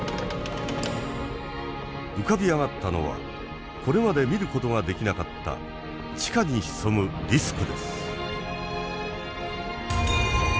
浮かび上がったのはこれまで見ることができなかった地下に潜むリスクです。